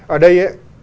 ở đây ấy